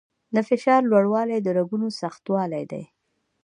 د فشار لوړوالی د رګونو سختوالي دی.